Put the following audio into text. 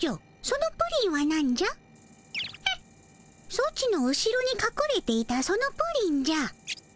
ソチの後ろにかくれていたそのプリンじゃ。